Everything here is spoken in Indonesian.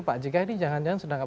pak jk ini jangan jangan sedang